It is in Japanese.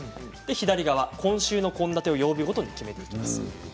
左側、今週の献立を曜日ごとに決めていきます。